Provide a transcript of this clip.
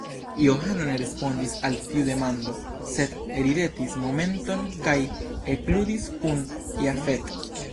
Johano ne respondis al tiu demando, sed ridetis momenton kaj ekludis kun Jafet.